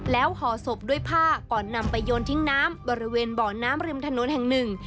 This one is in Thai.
แล้วห่อศพด้วยผ้าก่อนนำไปโยนทิ้งน้ำบริเวณบ่อน้ำริมถนนแห่งหนึ่ง